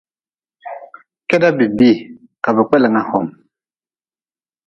Keda bi bii ka bi kpelnga hom.